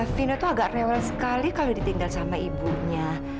vino tuh agak rewel sekali kalau ditinggal sama ibunya